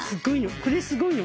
これすごいの。